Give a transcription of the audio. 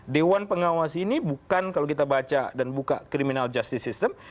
dewan pengawas ini bukan kalau kita baca dan buka criminal justice system